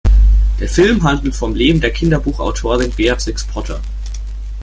Der Film handelt vom Leben der Kinderbuchautorin Beatrix Potter.